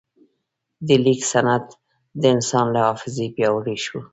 د لیک سند د انسان له حافظې پیاوړی شو.